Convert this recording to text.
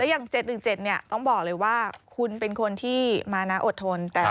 อย่าง๗๑๗ต้องบอกเลยว่าคุณเป็นคนที่มานะอดทน